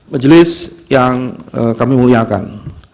majelis yang kami muliakan